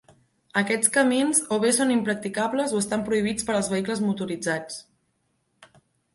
Aquests camins o bé són impracticables o estan prohibits per als vehicles motoritzats.